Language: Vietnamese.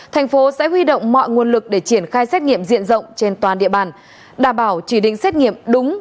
thành phố sẽ huy động mọi nguồn lực để triển khai xét nghiệm diện rộng trên toàn địa bàn đảm bảo chỉ định xét nghiệm đúng